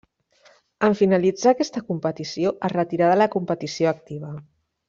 En finalitzar aquesta competició es retirà de la competició activa.